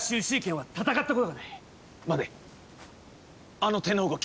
あの手の動き